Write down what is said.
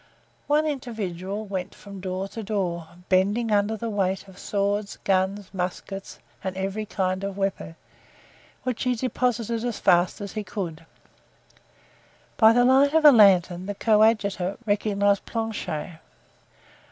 One individual went from door to door, bending under the weight of swords, guns, muskets and every kind of weapon, which he deposited as fast as he could. By the light of a lantern the coadjutor recognized Planchet.